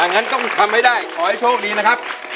อ่ะงั้นก็คำไม่ได้ขอให้โชคดีนะครับ